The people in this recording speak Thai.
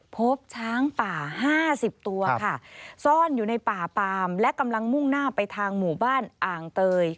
พบช้างป่า๕๐ตัวค่ะซ่อนอยู่ในป่าปามและกำลังมุ่งหน้าไปทางหมู่บ้านอ่างเตย